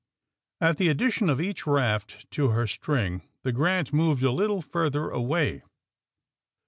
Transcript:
At the addition of each raft to her string the Grant '^ moved a little further away.